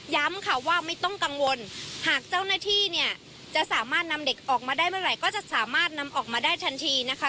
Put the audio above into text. ค่ะว่าไม่ต้องกังวลหากเจ้าหน้าที่เนี่ยจะสามารถนำเด็กออกมาได้เมื่อไหร่ก็จะสามารถนำออกมาได้ทันทีนะคะ